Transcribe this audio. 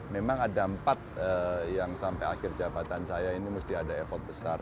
memang ada empat yang sampai akhir jabatan saya ini mesti ada effort besar